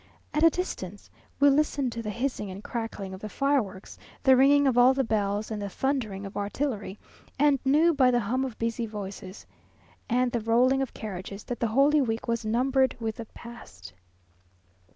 At a distance we listened to the hissing and crackling of the fireworks, the ringing of all the bells, and the thundering of artillery; and knew by the hum of busy voices, and the rolling of carriages, that the Holy Week was numbered with the past....